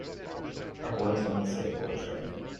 A boy doing a skateboard trick